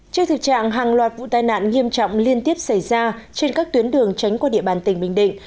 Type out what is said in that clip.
trước thực trạng hàng loạt vụ tai nạn nghiêm trọng liên tiếp xảy ra trên các tuyến đường tránh qua địa bàn tỉnh bình định